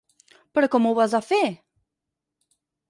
Però com ho vas a fer?